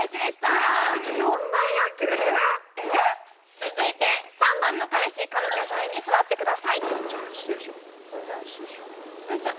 続いて３番の彼氏彼女の隣に座ってくださいあ！